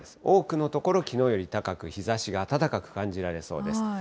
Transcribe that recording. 多くの所、きのうより高く、日ざしが暖かく感じられそうです。